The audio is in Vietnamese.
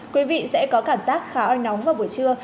quý vị sẽ có cảm giác khá oi nóng vào buổi trưa